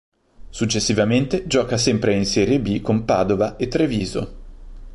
Successivamente gioca sempre in Serie B con Padova e Treviso.